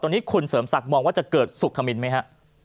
ตอนนี้คุณเสริมศักดิ์มองว่าจะเกิดสุขธมินไหมฮะ